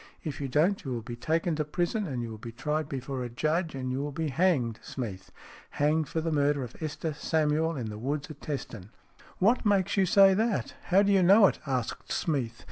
If you don't you will be taken to prison, and you will be tried before a judge, and you will be hanged, Smeath. Hanged for the murder of Esther Samuel in the woods at Teston." VI "WHAT makes you say that? How do you know it?" asked Smeath.